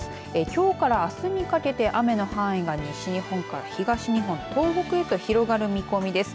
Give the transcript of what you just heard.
きょうからあすにかけて雨の範囲が西日本から東日本、東北へと広がる見込みです。